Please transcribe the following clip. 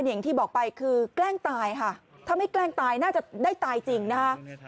อย่างที่บอกไปคือแกล้งตายค่ะถ้าไม่แกล้งตายน่าจะได้ตายจริงนะคะ